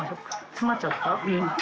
詰まっちゃった？